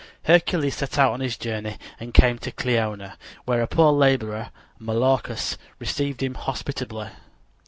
Hercules set out on his journey and came to Kleona, where a poor laborer, Molorchus, received him hospitably.